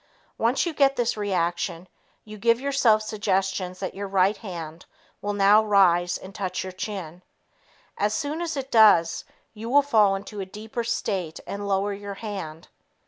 Once you get this reaction, you give yourself suggestions that your right hand will now rise and touch your chin. As soon as it does, you will fall into a deeper state and lower your hand.